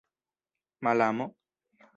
malamo